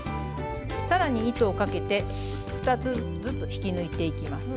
更に糸をかけて２つずつ引き抜いていきます。